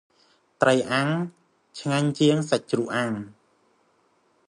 ត្រីអាំង ឆ្ងាញ់ជាង សាច់ជ្រូកអាំង។